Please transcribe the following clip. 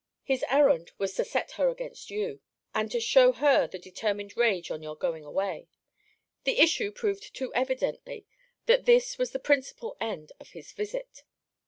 His errand was to set her against you, and to shew her their determined rage on your going away. The issue proved too evidently that this was the principal end of his visit.